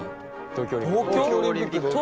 東京オリンピック。